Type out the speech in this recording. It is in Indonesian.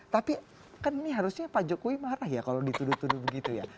tapi kan ini harusnya pak jokowi marah ya kalau dituduh tuduh begitu ya